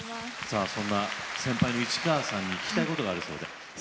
先輩の市川さんに聞きたいことがあるそうで。